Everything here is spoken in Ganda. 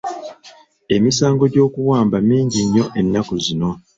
Emisango gy'okuwamba mingi nnyo ennaku zino.